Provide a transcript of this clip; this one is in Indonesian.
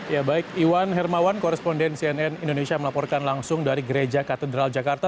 ya baik iwan hermawan koresponden cnn indonesia melaporkan langsung dari gereja katedral jakarta